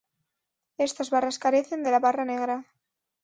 Estas barras carecen de la barra negra.